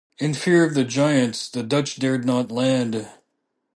In fear of the giants, the Dutch dared not land.